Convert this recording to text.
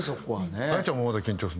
愛ちゃんもまだ緊張するの？